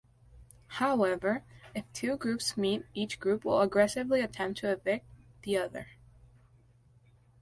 However, if two groups meet each group will aggressively attempt to evict the other.